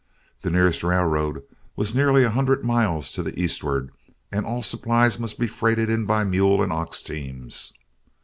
The nearest railroad was nearly a hundred miles to the eastward, and all supplies must be freighted in by mule and ox teams.